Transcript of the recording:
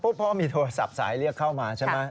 เพราะว่ามีโทรศัพท์สายเรียกเข้ามาใช่ไหม